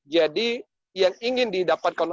jadi yang ingin didapatkan